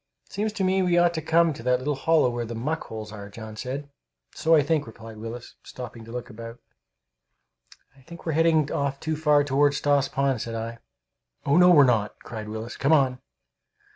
"It seems to me we ought to come to that little hollow where the muck holes are," John said. "So I think," replied Willis, stopping to look about. "I think we're heading off too far toward Stoss Pond," said I. "Oh no, we're not!" cried Willis. "Come on!"